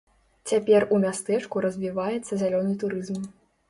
Цяпер у мястэчку развіваецца зялёны турызм.